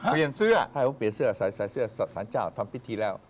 เปลี่ยนเสื้อพี่สาวเปลี่ยนเสื้อสายเสื้อสารเจ้าทำปิดทีแล้ว